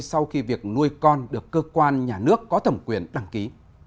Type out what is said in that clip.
sau khi việc nuôi con được cơ quan nhà nước có thẩm quyền đăng ký